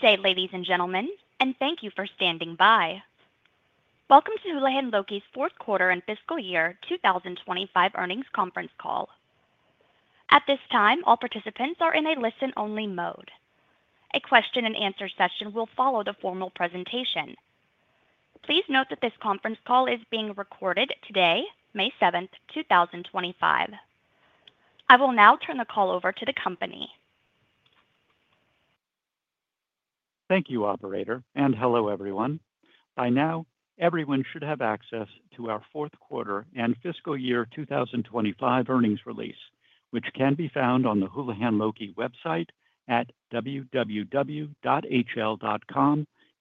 Good day, ladies and gentlemen, and thank you for standing by. Welcome to Houlihan Lokey's Fourth Quarter and Fiscal Year 2025 Earnings Conference Call. At this time, all participants are in a listen-only mode. A question-and-answer session will follow the formal presentation. Please note that this conference call is being recorded today, May 7th, 2025. I will now turn the call over to the company. Thank you, Operator, and hello everyone. By now, everyone should have access to our Fourth Quarter and Fiscal Year 2025 Earnings release, which can be found on the Houlihan Lokey website at www.hl.com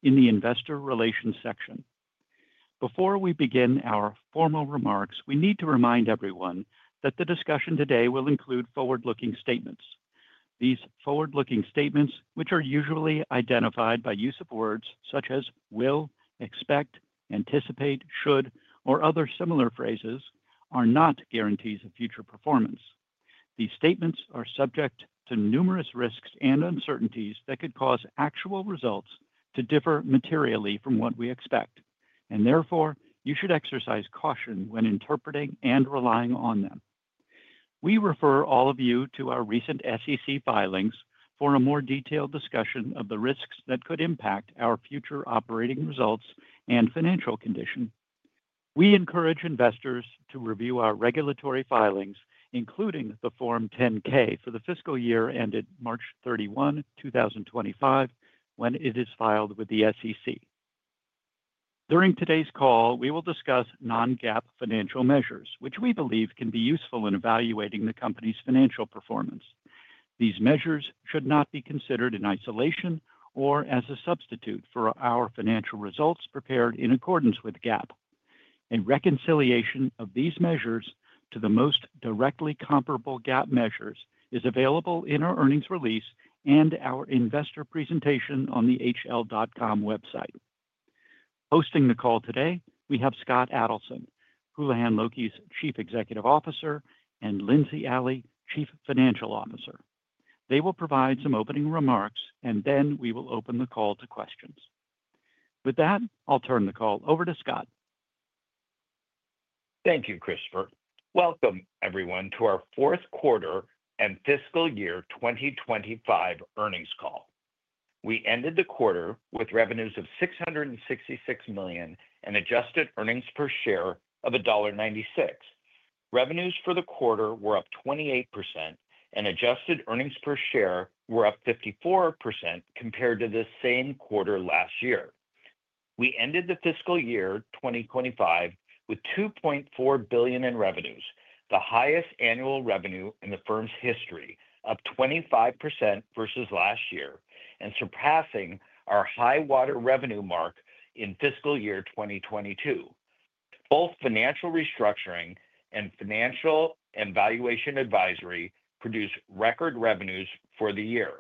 in the Investor Relations section. Before we begin our formal remarks, we need to remind everyone that the discussion today will include forward-looking statements. These forward-looking statements, which are usually identified by use of words such as will, expect, anticipate, should, or other similar phrases, are not guarantees of future performance. These statements are subject to numerous risks and uncertainties that could cause actual results to differ materially from what we expect, and therefore you should exercise caution when interpreting and relying on them. We refer all of you to our recent SEC filings for a more detailed discussion of the risks that could impact our future operating results and financial condition. We encourage investors to review our regulatory filings, including the Form 10-K for the fiscal year ended March 31, 2025, when it is filed with the SEC. During today's call, we will discuss non-GAAP financial measures, which we believe can be useful in evaluating the company's financial performance. These measures should not be considered in isolation or as a substitute for our financial results prepared in accordance with GAAP. A reconciliation of these measures to the most directly comparable GAAP measures is available in our earnings release and our investor presentation on the hl.com website. Hosting the call today, we have Scott Adelson, Houlihan Lokey's Chief Executive Officer, and Lindsey Alley, Chief Financial Officer. They will provide some opening remarks, and then we will open the call to questions. With that, I'll turn the call over to Scott. Thank you, Christopher. Welcome everyone to our Fourth Quarter and Fiscal Year 2025 Earnings Call. We ended the quarter with revenues of $666 million and adjusted earnings per share of $1.96. Revenues for the quarter were up 28%, and adjusted earnings per share were up 54% compared to the same quarter last year. We ended the fiscal year 2025 with $2.4 billion in revenues, the highest annual revenue in the firm's history, up 25% versus last year, and surpassing our high-water revenue mark in fiscal year 2022. Both financial restructuring and financial and valuation advisory produced record revenues for the year,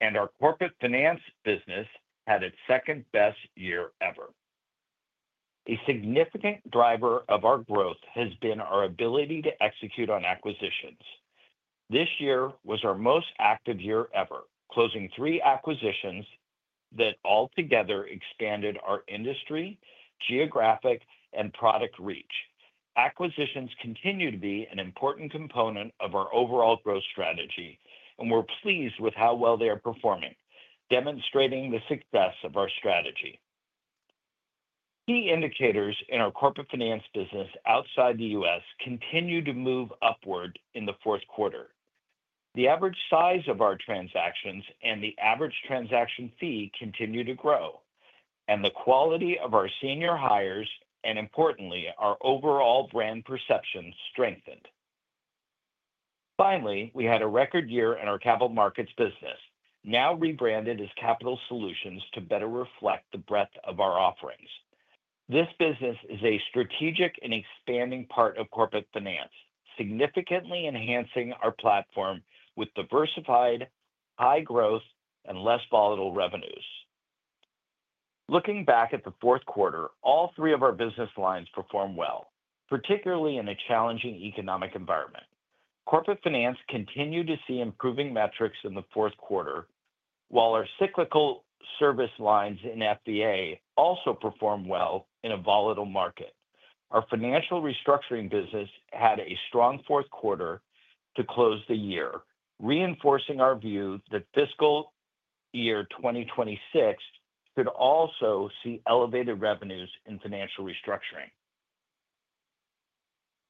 and our corporate finance business had its second-best year ever. A significant driver of our growth has been our ability to execute on acquisitions. This year was our most active year ever, closing three acquisitions that altogether expanded our industry, geographic, and product reach. Acquisitions continue to be an important component of our overall growth strategy, and we're pleased with how well they are performing, demonstrating the success of our strategy. Key indicators in our corporate finance business outside the U.S. continue to move upward in the fourth quarter. The average size of our transactions and the average transaction fee continue to grow, and the quality of our senior hires and, importantly, our overall brand perception strengthened. Finally, we had a record year in our capital markets business, now rebranded as Capital Solutions to better reflect the breadth of our offerings. This business is a strategic and expanding part of corporate finance, significantly enhancing our platform with diversified, high-growth, and less volatile revenues. Looking back at the fourth quarter, all three of our business lines performed well, particularly in a challenging economic environment. Corporate finance continued to see improving metrics in the fourth quarter, while our cyclical service lines in FDA also performed well in a volatile market. Our financial restructuring business had a strong fourth quarter to close the year, reinforcing our view that fiscal year 2026 should also see elevated revenues in financial restructuring.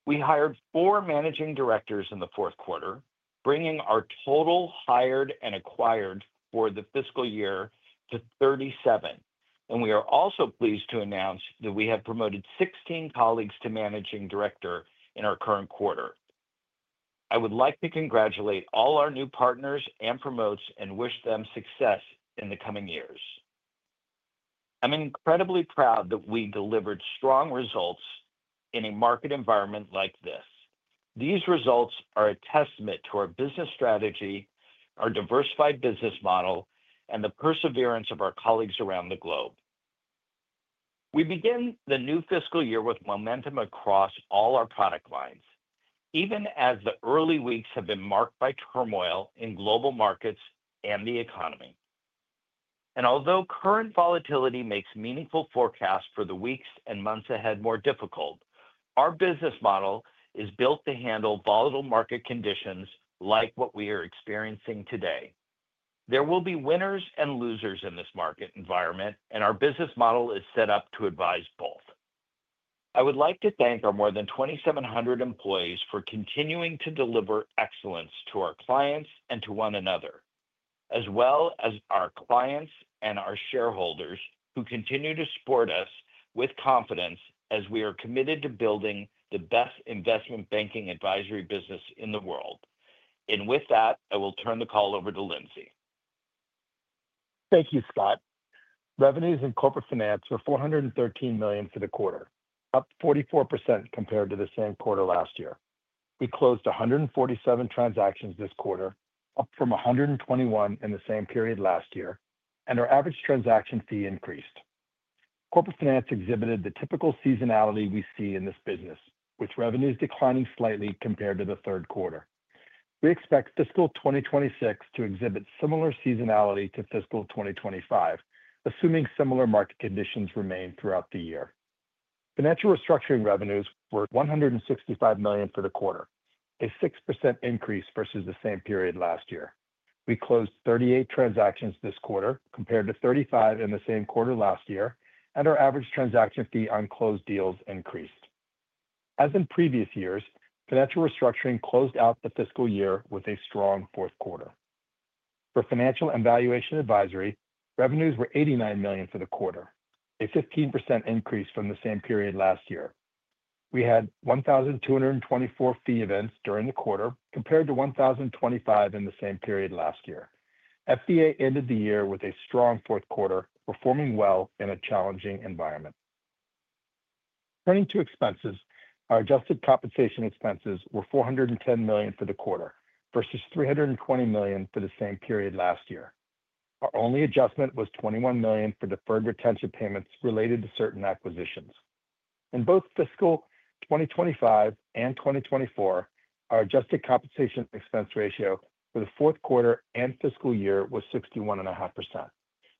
We hired four managing directors in the fourth quarter, bringing our total hired and acquired for the fiscal year to 37, and we are also pleased to announce that we have promoted 16 colleagues to managing director in our current quarter. I would like to congratulate all our new partners and promotes and wish them success in the coming years. I'm incredibly proud that we delivered strong results in a market environment like this. These results are a testament to our business strategy, our diversified business model, and the perseverance of our colleagues around the globe. We begin the new fiscal year with momentum across all our product lines, even as the early weeks have been marked by turmoil in global markets and the economy. Although current volatility makes meaningful forecasts for the weeks and months ahead more difficult, our business model is built to handle volatile market conditions like what we are experiencing today. There will be winners and losers in this market environment, and our business model is set up to advise both. I would like to thank our more than 2,700 employees for continuing to deliver excellence to our clients and to one another, as well as our clients and our shareholders who continue to support us with confidence as we are committed to building the best investment banking advisory business in the world. With that, I will turn the call over to Lindsey. Thank you, Scott. Revenues in corporate finance were $413 million for the quarter, up 44% compared to the same quarter last year. We closed 147 transactions this quarter, up from 121 in the same period last year, and our average transaction fee increased. Corporate finance exhibited the typical seasonality we see in this business, with revenues declining slightly compared to the third quarter. We expect fiscal 2026 to exhibit similar seasonality to fiscal 2025, assuming similar market conditions remain throughout the year. Financial restructuring revenues were $165 million for the quarter, a 6% increase versus the same period last year. We closed 38 transactions this quarter compared to 35 in the same quarter last year, and our average transaction fee on closed deals increased. As in previous years, financial restructuring closed out the fiscal year with a strong fourth quarter. For financial evaluation advisory, revenues were $89 million for the quarter, a 15% increase from the same period last year. We had 1,224 fee events during the quarter compared to 1,025 in the same period last year. FDA ended the year with a strong fourth quarter, performing well in a challenging environment. Turning to expenses, our adjusted compensation expenses were $410 million for the quarter versus $320 million for the same period last year. Our only adjustment was $21 million for deferred retention payments related to certain acquisitions. In both fiscal 2025 and 2024, our adjusted compensation expense ratio for the fourth quarter and fiscal year was 61.5%.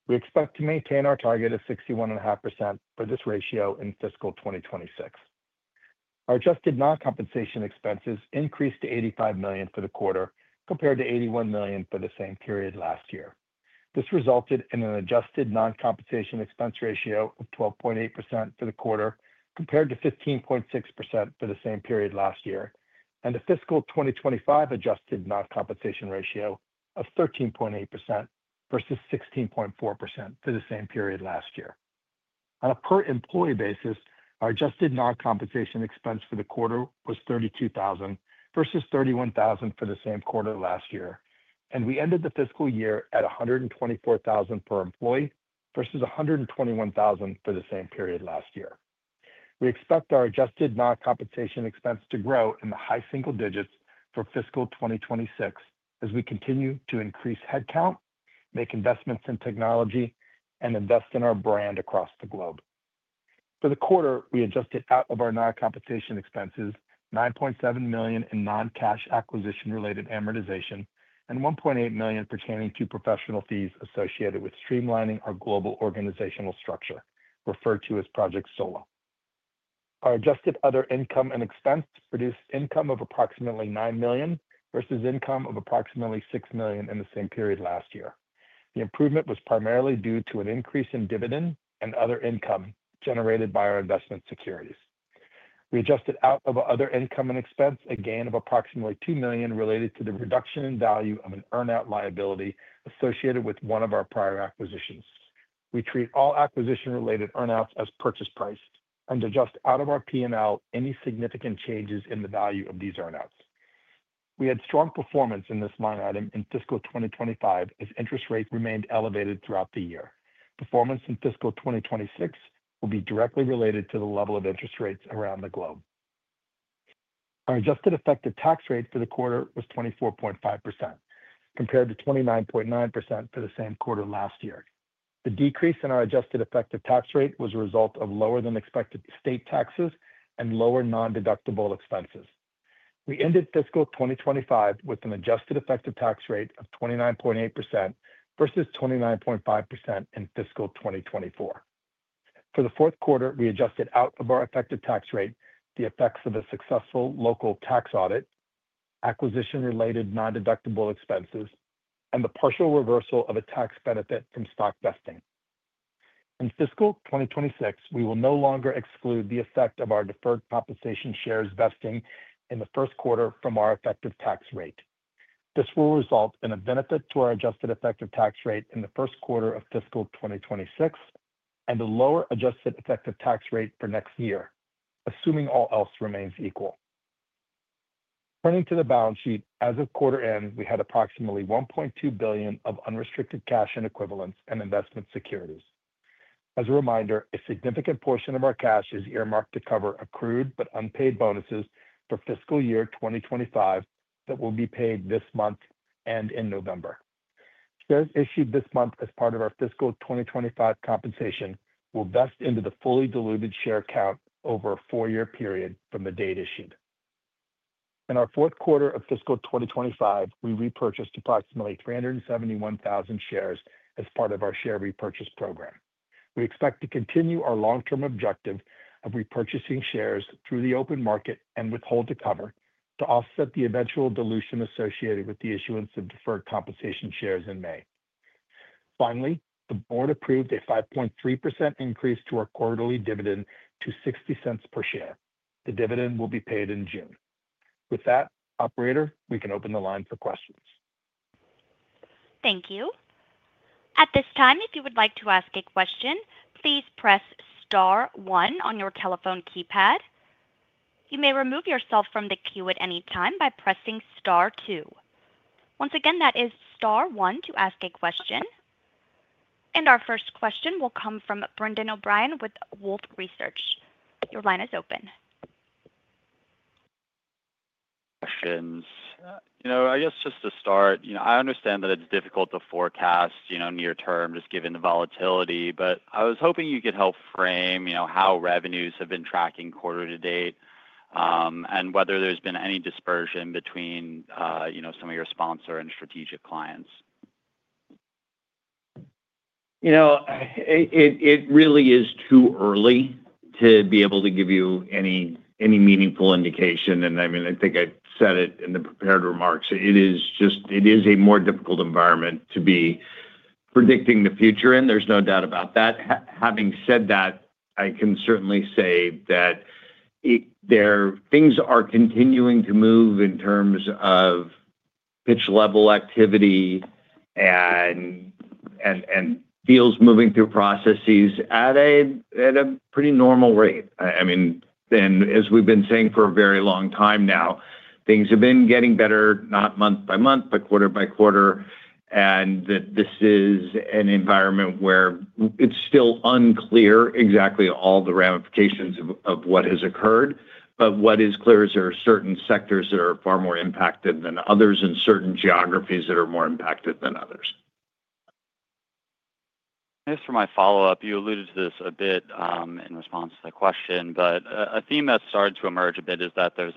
We expect to maintain our target of 61.5% for this ratio in fiscal 2026. Our adjusted non-compensation expenses increased to $85 million for the quarter compared to $81 million for the same period last year. This resulted in an adjusted non-compensation expense ratio of 12.8% for the quarter compared to 15.6% for the same period last year, and a fiscal 2025 adjusted non-compensation ratio of 13.8% versus 16.4% for the same period last year. On a per-employee basis, our adjusted non-compensation expense for the quarter was $32,000 versus $31,000 for the same quarter last year, and we ended the fiscal year at $124,000 per employee versus $121,000 for the same period last year. We expect our adjusted non-compensation expense to grow in the high single digits for fiscal 2026 as we continue to increase headcount, make investments in technology, and invest in our brand across the globe. For the quarter, we adjusted out of our non-compensation expenses $9.7 million in non-cash acquisition-related amortization and $1.8 million pertaining to professional fees associated with streamlining our global organizational structure, referred to as Project SOLA. Our adjusted other income and expense produced income of approximately $9 million versus income of approximately $6 million in the same period last year. The improvement was primarily due to an increase in dividend and other income generated by our investment securities. We adjusted out of other income and expense a gain of approximately $2 million related to the reduction in value of an earn-out liability associated with one of our prior acquisitions. We treat all acquisition-related earn-outs as purchase price and adjust out of our P&L any significant changes in the value of these earn-outs. We had strong performance in this line item in fiscal 2025 as interest rates remained elevated throughout the year. Performance in fiscal 2026 will be directly related to the level of interest rates around the globe. Our adjusted effective tax rate for the quarter was 24.5% compared to 29.9% for the same quarter last year. The decrease in our adjusted effective tax rate was a result of lower-than-expected state taxes and lower non-deductible expenses. We ended fiscal 2025 with an adjusted effective tax rate of 29.8% versus 29.5% in fiscal 2024. For the fourth quarter, we adjusted out of our effective tax rate the effects of a successful local tax audit, acquisition-related non-deductible expenses, and the partial reversal of a tax benefit from stock vesting. In fiscal 2026, we will no longer exclude the effect of our deferred compensation shares vesting in the first quarter from our effective tax rate. This will result in a benefit to our adjusted effective tax rate in the first quarter of fiscal 2026 and a lower adjusted effective tax rate for next year, assuming all else remains equal. Turning to the balance sheet, as of quarter end, we had approximately $1.2 billion of unrestricted cash and equivalents and investment securities. As a reminder, a significant portion of our cash is earmarked to cover accrued but unpaid bonuses for fiscal year 2025 that will be paid this month and in November. Shares issued this month as part of our fiscal 2025 compensation will vest into the fully diluted share count over a four-year period from the date issued. In our fourth quarter of fiscal 2025, we repurchased approximately 371,000 shares as part of our share repurchase program. We expect to continue our long-term objective of repurchasing shares through the open market and withhold to cover to offset the eventual dilution associated with the issuance of deferred compensation shares in May. Finally, the board approved a 5.3% increase to our quarterly dividend to $0.60 per share. The dividend will be paid in June. With that, Operator, we can open the line for questions. Thank you. At this time, if you would like to ask a question, please press Star one on your telephone keypad. You may remove yourself from the queue at any time by pressing Star two. Once again, that is Star one to ask a question. Our first question will come from Brendan O'Brien with Wolfe Research. Your line is open. Questions. You know, I guess just to start, you know, I understand that it's difficult to forecast, you know, near-term just given the volatility, but I was hoping you could help frame, you know, how revenues have been tracking quarter to date and whether there's been any dispersion between, you know, some of your sponsor and strategic clients. You know, it really is too early to be able to give you any meaningful indication. I mean, I think I said it in the prepared remarks. It is just, it is a more difficult environment to be predicting the future in. There's no doubt about that. Having said that, I can certainly say that there are things that are continuing to move in terms of pitch-level activity and deals moving through processes at a pretty normal rate. I mean, and as we've been saying for a very long time now, things have been getting better, not month by month, but quarter by quarter, and that this is an environment where it's still unclear exactly all the ramifications of what has occurred. What is clear is there are certain sectors that are far more impacted than others and certain geographies that are more impacted than others. Just for my follow-up, you alluded to this a bit in response to the question, but a theme that's started to emerge a bit is that there's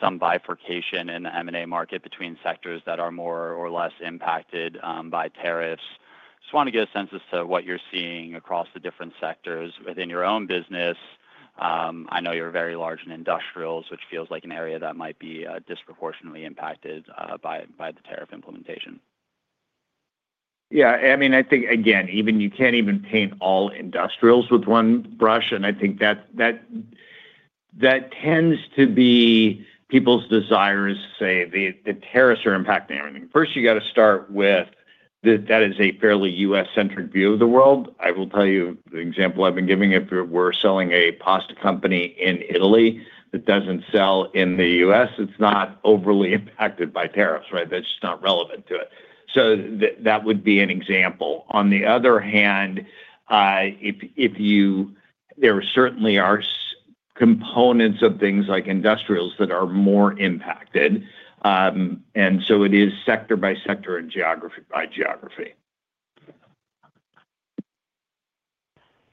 some bifurcation in the M&A market between sectors that are more or less impacted by tariffs. Just want to get a sense as to what you're seeing across the different sectors within your own business. I know you're very large in industrials, which feels like an area that might be disproportionately impacted by the tariff implementation. Yeah. I mean, I think, again, even you can't even paint all industrials with one brush, and I think that tends to be people's desire to say the tariffs are impacting everything. First, you got to start with that that is a fairly U.S.-centric view of the world. I will tell you the example I've been giving. If we're selling a pasta company in Italy that doesn't sell in the U.S., it's not overly impacted by tariffs, right? That's just not relevant to it. That would be an example. On the other hand, if you, there certainly are components of things like industrials that are more impacted. It is sector by sector and geography by geography.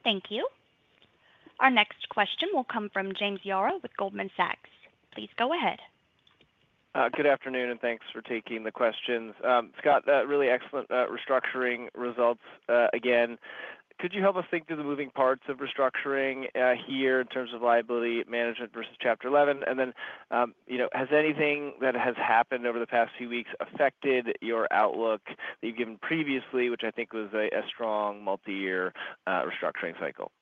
Thank you. Our next question will come from James Yaro with Goldman Sachs. Please go ahead. Good afternoon, and thanks for taking the questions. Scott, really excellent restructuring results again. Could you help us think through the moving parts of restructuring here in terms of liability management versus chapter 11? And then, you know, has anything that has happened over the past few weeks affected your outlook that you've given previously, which I think was a strong multi-year restructuring cycle?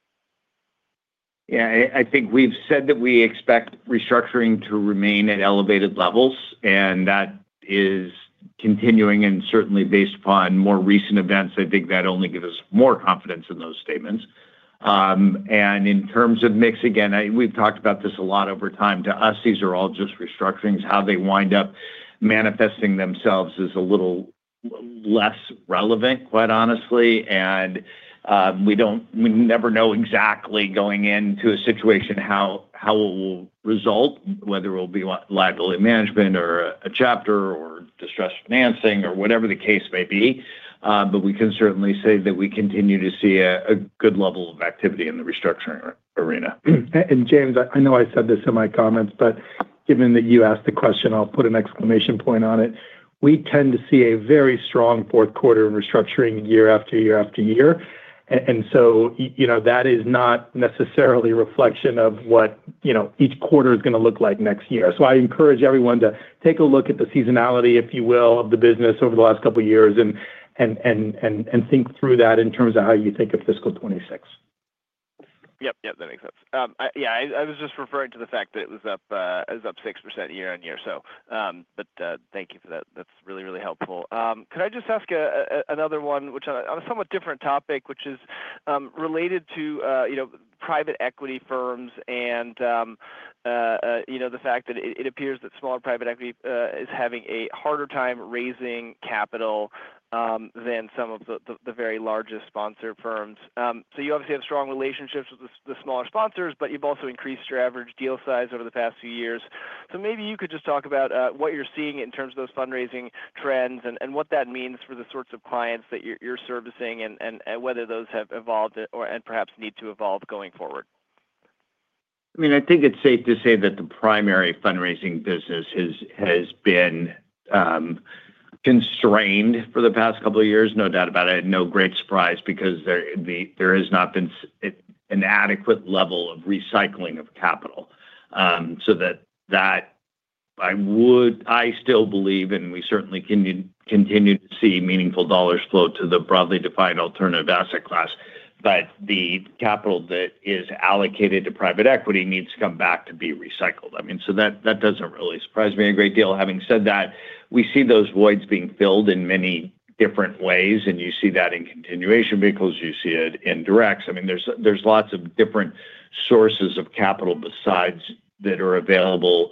Yeah. I think we've said that we expect restructuring to remain at elevated levels, and that is continuing. Certainly, based upon more recent events, I think that only gives us more confidence in those statements. In terms of mix, again, we've talked about this a lot over time. To us, these are all just restructurings. How they wind up manifesting themselves is a little less relevant, quite honestly. We never know exactly going into a situation how it will result, whether it will be liability management or a chapter or distressed financing or whatever the case may be. We can certainly say that we continue to see a good level of activity in the restructuring arena. James, I know I said this in my comments, but given that you asked the question, I'll put an exclamation point on it. We tend to see a very strong fourth quarter in restructuring year-after-year-after-year. You know, that is not necessarily a reflection of what, you know, each quarter is going to look like next year. I encourage everyone to take a look at the seasonality, if you will, of the business over the last couple of years and think through that in terms of how you think of fiscal 2026. Yep. Yep. That makes sense. Yeah. I was just referring to the fact that it was up, it was up 6% year-on-year. Thank you for that. That's really, really helpful. Could I just ask another one, which on a somewhat different topic, which is related to, you know, private equity firms and, you know, the fact that it appears that smaller private equity is having a harder time raising capital than some of the very largest sponsor firms? You obviously have strong relationships with the smaller sponsors, but you've also increased your average deal size over the past few years. Maybe you could just talk about what you're seeing in terms of those fundraising trends and what that means for the sorts of clients that you're servicing and whether those have evolved and perhaps need to evolve going forward. I mean, I think it's safe to say that the primary fundraising business has been constrained for the past couple of years. No doubt about it. No great surprise because there has not been an adequate level of recycling of capital. That I would, I still believe, and we certainly continue to see meaningful dollars flow to the broadly defined alternative asset class. But the capital that is allocated to private equity needs to come back to be recycled. I mean, that doesn't really surprise me a great deal. Having said that, we see those voids being filled in many different ways, and you see that in continuation vehicles. You see it in directs. I mean, there's lots of different sources of capital besides that are available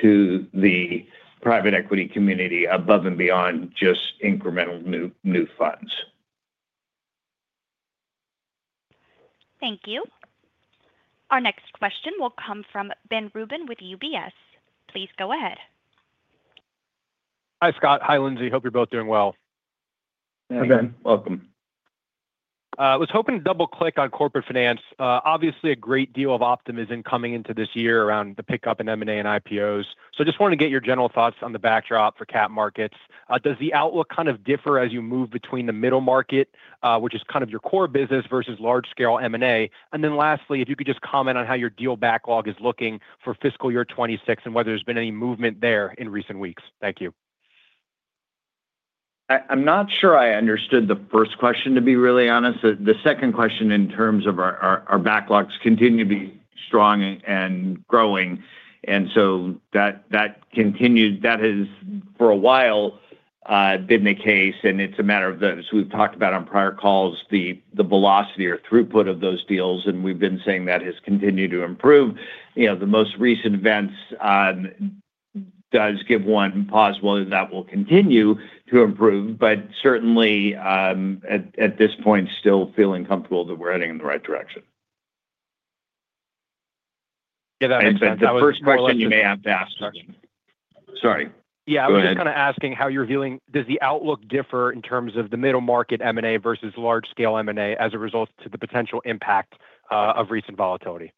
to the private equity community above and beyond just incremental new funds. Thank you. Our next question will come from Ben Rubin with UBS. Please go ahead. Hi, Scott. Hi, Lindsey. Hope you're both doing well. Hey, Ben. Welcome. I was hoping to double-click on corporate finance. Obviously, a great deal of optimism coming into this year around the pickup in M&A and IPOs. I just wanted to get your general thoughts on the backdrop for cap markets. Does the outlook kind of differ as you move between the middle market, which is kind of your core business, versus large-scale M&A? Lastly, if you could just comment on how your deal backlog is looking for fiscal year 2026 and whether there's been any movement there in recent weeks. Thank you. I'm not sure I understood the first question, to be really honest. The second question in terms of our backlogs continue to be strong and growing. That has for a while been the case. It's a matter of, as we've talked about on prior calls, the velocity or throughput of those deals. We've been saying that has continued to improve. You know, the most recent events does give one pause whether that will continue to improve, but certainly at this point, still feeling comfortable that we're heading in the right direction. Yeah. That makes sense. That was a first question you may have to ask. Sorry. Yeah. I was just kind of asking how you're feeling. Does the outlook differ in terms of the middle market M&A versus large-scale M&A as a result to the potential impact of recent volatility?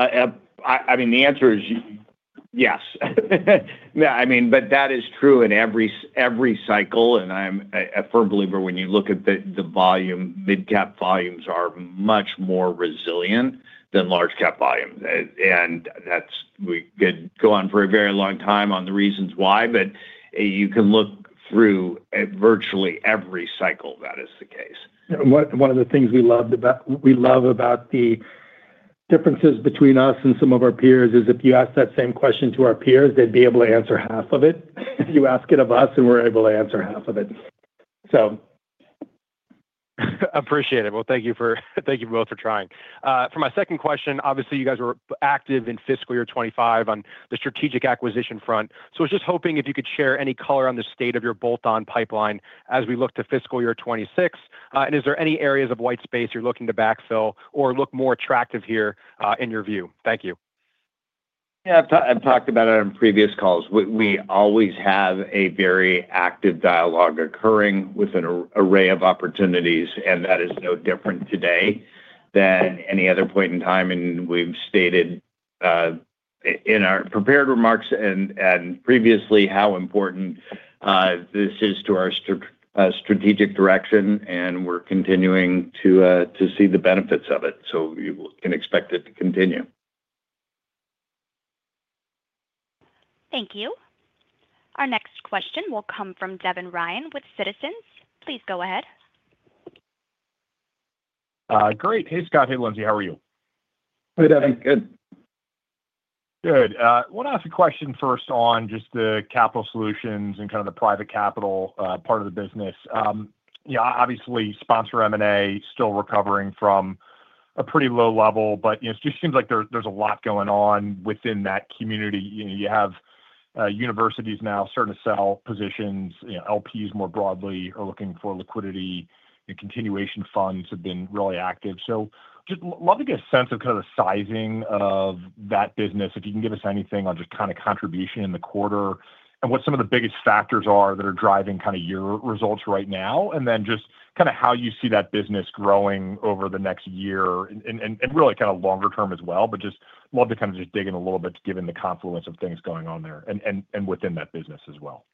I mean, the answer is yes. I mean, but that is true in every cycle. And I'm a firm believer when you look at the volume, mid-cap volumes are much more resilient than large-cap volumes. And that's, we could go on for a very long time on the reasons why, but you can look through virtually every cycle that is the case. One of the things we love about, we love about the differences between us and some of our peers is if you ask that same question to our peers, they'd be able to answer half of it. If you ask it of us, then we're able to answer half of it. Appreciate it. Thank you for, thank you both for trying. For my second question, obviously, you guys were active in fiscal year 2025 on the strategic acquisition front. I was just hoping if you could share any color on the state of your bolt-on pipeline as we look to fiscal year 2026. Is there any areas of white space you're looking to backfill or look more attractive here in your view? Thank you. Yeah. I've talked about it on previous calls. We always have a very active dialogue occurring with an array of opportunities, and that is no different today than any other point in time. We have stated in our prepared remarks and previously how important this is to our strategic direction, and we're continuing to see the benefits of it. You can expect it to continue. Thank you. Our next question will come from Devin Ryan with Citizens. Please go ahead. Great. Hey, Scott. Hey, Lindsey. How are you? Hey, Devin. Good. Good. I want to ask a question first on just the Capital Solutions and kind of the private capital part of the business. You know, obviously, sponsor M&A is still recovering from a pretty low level, but it just seems like there's a lot going on within that community. You have universities now starting to sell positions. You know, LPs more broadly are looking for liquidity, and continuation funds have been really active. So just love to get a sense of kind of the sizing of that business, if you can give us anything on just kind of contribution in the quarter and what some of the biggest factors are that are driving kind of your results right now, and then just kind of how you see that business growing over the next year and really kind of longer term as well. Just love to kind of just dig in a little bit given the confluence of things going on there and within that business as well.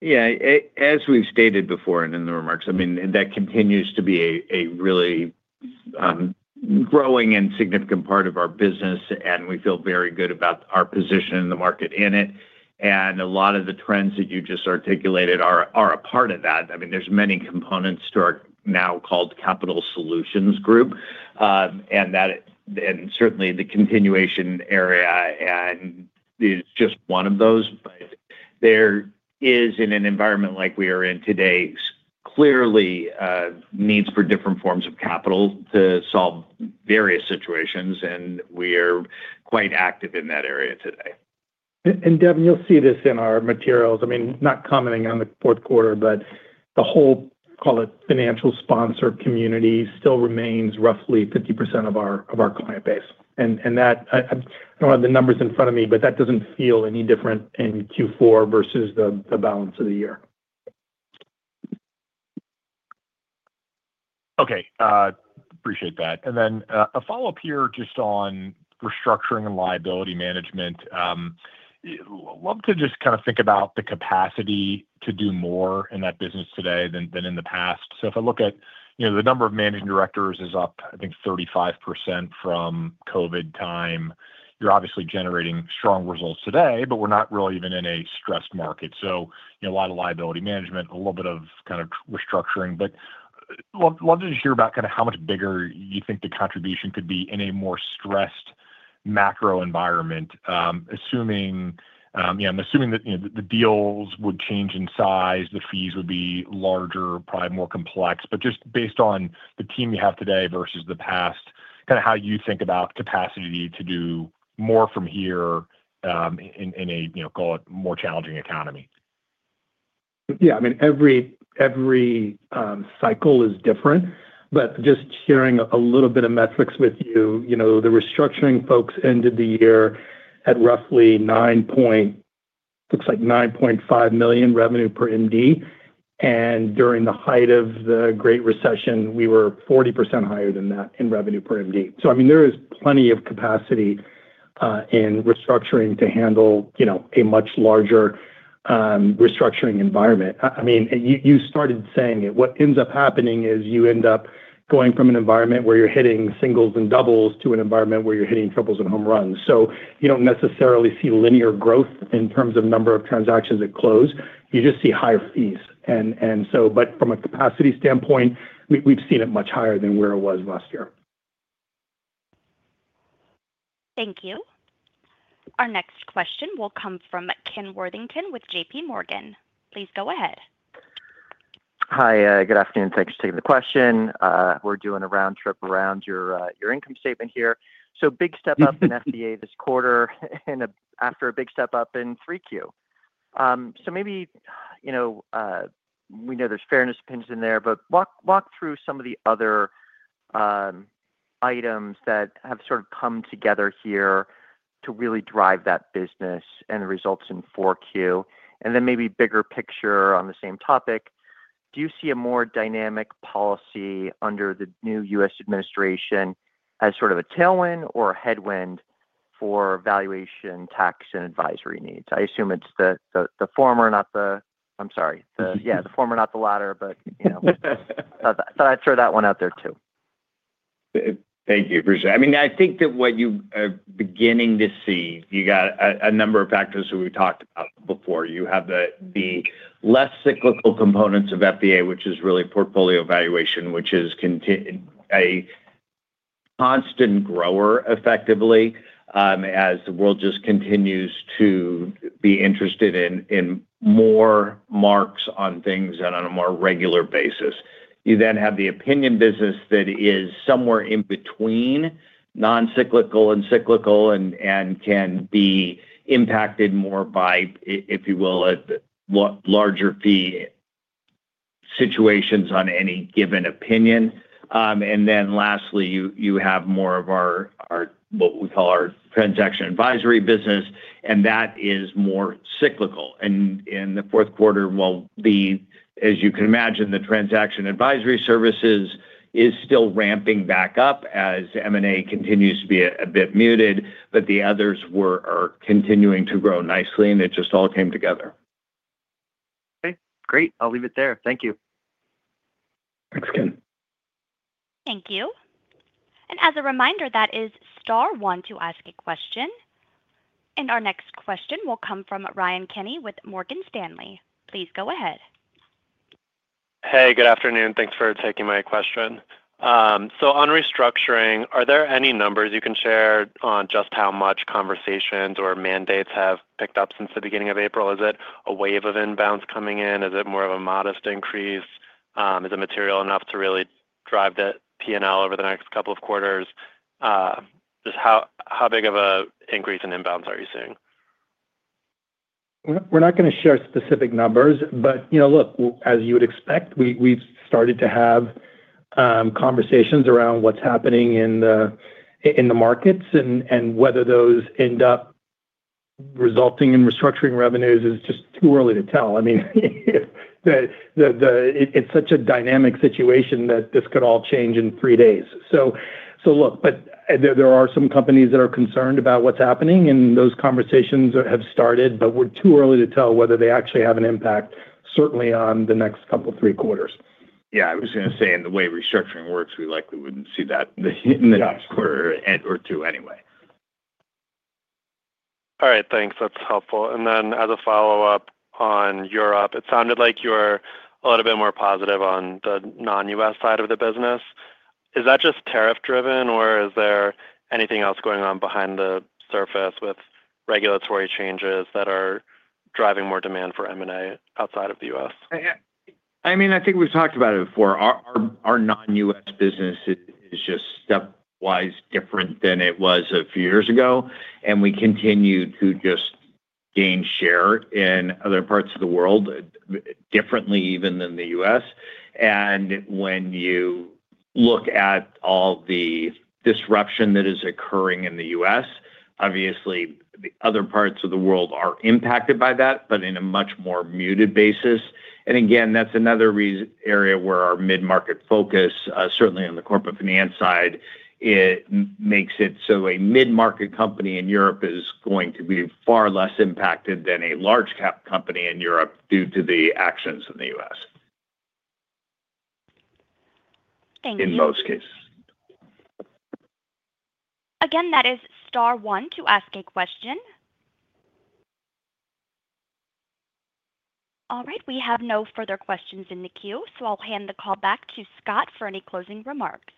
Yeah. As we've stated before and in the remarks, I mean, that continues to be a really growing and significant part of our business, and we feel very good about our position in the market in it. A lot of the trends that you just articulated are a part of that. I mean, there's many components to our now called Capital Solutions Group, and that, and certainly the continuation area is just one of those. There is, in an environment like we are in today, clearly needs for different forms of capital to solve various situations, and we are quite active in that area today. Devin, you'll see this in our materials. I mean, not commenting on the fourth quarter, but the whole, call it financial sponsor community still remains roughly 50% of our client base. And that, I don't have the numbers in front of me, but that doesn't feel any different in Q4 versus the balance of the year. Okay. Appreciate that. Then a follow-up here just on restructuring and liability management. I'd love to just kind of think about the capacity to do more in that business today than in the past. If I look at, you know, the number of managing directors is up, I think, 35% from COVID time. You're obviously generating strong results today, but we're not really even in a stressed market. A lot of liability management, a little bit of kind of restructuring. Love to just hear about kind of how much bigger you think the contribution could be in a more stressed macro environment, assuming, you know, I'm assuming that, you know, the deals would change in size, the fees would be larger, probably more complex. Just based on the team you have today versus the past, kind of how you think about capacity to do more from here in a, you know, call it more challenging economy. Yeah. I mean, every cycle is different. But just sharing a little bit of metrics with you, you know, the restructuring folks ended the year at roughly $9.5 million revenue per MD. And during the height of the great recession, we were 40% higher than that in revenue per MD. So I mean, there is plenty of capacity in restructuring to handle, you know, a much larger restructuring environment. I mean, you started saying it. What ends up happening is you end up going from an environment where you're hitting singles and doubles to an environment where you're hitting triples and home runs. You don't necessarily see linear growth in terms of number of transactions that close. You just see higher fees. From a capacity standpoint, we've seen it much higher than where it was last year. Thank you. Our next question will come from Ken Worthington with JPMorgan. Please go ahead. Hi. Good afternoon. Thanks for taking the question. We're doing a round trip around your income statement here. So big step up in FDA this quarter and after a big step up in 3Q. So maybe, you know, we know there's fairness pins in there, but walk through some of the other items that have sort of come together here to really drive that business and the results in 4Q. And then maybe bigger picture on the same topic. Do you see a more dynamic policy under the new U.S. administration as sort of a tailwind or a headwind for valuation, tax, and advisory needs? I assume it's the former, not the, I'm sorry, the, yeah, the former, not the latter, but, you know, thought I'd throw that one out there too. Thank you. I mean, I think that what you are beginning to see, you got a number of factors that we've talked about before. You have the less cyclical components of FDA, which is really portfolio valuation, which is a constant grower effectively as the world just continues to be interested in more marks on things on a more regular basis. You then have the opinion business that is somewhere in between non-cyclical and cyclical and can be impacted more by, if you will, larger fee situations on any given opinion. Lastly, you have more of our what we call our transaction advisory business, and that is more cyclical. In the fourth quarter, while the, as you can imagine, the transaction advisory services is still ramping back up as M&A continues to be a bit muted, but the others are continuing to grow nicely, and it just all came together. Okay. Great. I'll leave it there. Thank you. Thank you. As a reminder, that is star one to ask a question. Our next question will come from Ryan Kenny with Morgan Stanley. Please go ahead. Hey, good afternoon. Thanks for taking my question. On restructuring, are there any numbers you can share on just how much conversations or mandates have picked up since the beginning of April? Is it a wave of inbounds coming in? Is it more of a modest increase? Is it material enough to really drive the P&L over the next couple of quarters? Just how big of an increase in inbounds are you seeing? We're not going to share specific numbers, but, you know, look, as you would expect, we've started to have conversations around what's happening in the markets and whether those end up resulting in restructuring revenues is just too early to tell. I mean, it's such a dynamic situation that this could all change in three days. Look, there are some companies that are concerned about what's happening, and those conversations have started, but we're too early to tell whether they actually have an impact, certainly on the next couple of three quarters. Yeah. I was going to say in the way restructuring works, we likely wouldn't see that in the next quarter or two anyway. All right. Thanks. That's helpful. Then as a follow-up on Europe, it sounded like you were a little bit more positive on the non-U.S. side of the business. Is that just tariff-driven, or is there anything else going on behind the surface with regulatory changes that are driving more demand for M&A outside of the U.S.? I mean, I think we've talked about it before. Our non-U.S. business is just stepwise different than it was a few years ago, and we continue to just gain share in other parts of the world differently even than the U.S. When you look at all the disruption that is occurring in the U.S., obviously the other parts of the world are impacted by that, but in a much more muted basis. Again, that's another area where our mid-market focus, certainly on the corporate finance side, makes it so a mid-market company in Europe is going to be far less impacted than a large-cap company in Europe due to the actions in the U.S. Thank you. In most cases. Again, that is star one to ask a question. All right. We have no further questions in the queue, so I'll hand the call back to Scott for any closing remarks.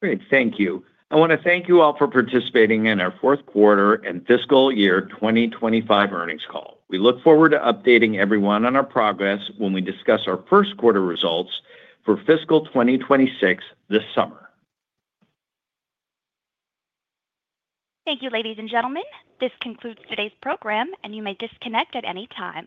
Great. Thank you. I want to thank you all for participating in our Fourth Quarter and Fiscal Year 2025 Earnings Call. We look forward to updating everyone on our progress when we discuss our first quarter results for fiscal 2026 this summer. Thank you, ladies and gentlemen. This concludes today's program, and you may disconnect at any time.